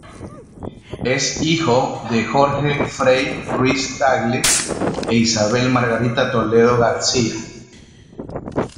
Es hijo de Jorge Frei Ruiz-Tagle e Isabel Margarita Toledo García.